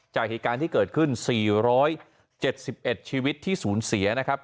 จากเหตุการณ์ที่เกิดขึ้น๔๗๑ชีวิตที่สูญเสียนะครับ